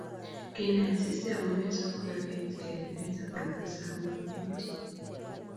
kinai Asisi omunee sikokerkeit meetab profesa ak nebo Geiji